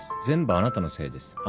全部あなたのせいです。